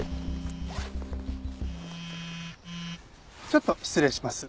ちょっと失礼します。